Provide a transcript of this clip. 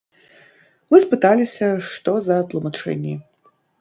Мы спыталіся, што за тлумачэнні.